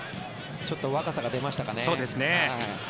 ちょっと若さが出ましたかね。